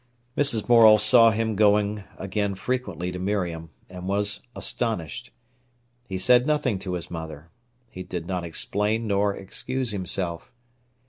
Mrs. Morel saw him going again frequently to Miriam, and was astonished. He said nothing to his mother. He did not explain nor excuse himself.